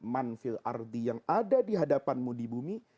manfil ardi yang ada di hadapanmu di bumi